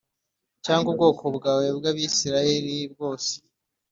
cyangwa ubwoko bwawe bw’Abisirayeli bwose